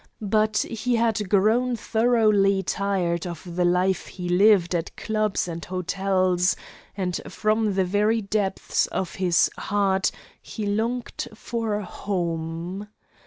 But he had grown thoroughly tired of the life he lived at clubs and hotels, and from the very depths of his heart he longed for HOME.